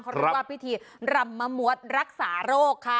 เขาเรียกว่าพิธีรำมะมวดรักษาโรคค่ะ